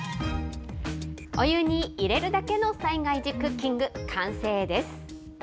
お湯に入れるだけの災害時クッキング、完成です。